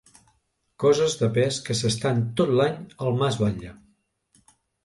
Coses de pes que s'estan tot l'any al mas Batlle.